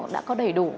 đã có đầy đủ